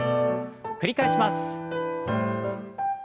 繰り返します。